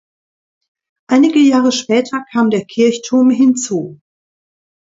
Einige Jahre später kam der Kirchturm hinzu.